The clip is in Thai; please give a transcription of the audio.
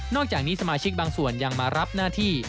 อกจากนี้สมาชิกบางส่วนยังมารับหน้าที่